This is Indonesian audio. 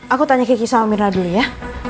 aku tanya kisah om rina dulu ya